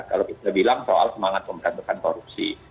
kalau kita bilang soal semangat pemberantasan korupsi